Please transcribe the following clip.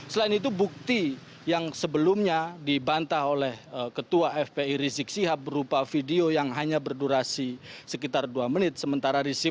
selain itu bukti yang sebelumnya dibantah oleh ketua fpi rizik sihab berupa video yang hanya berdurasi sekitar dua menit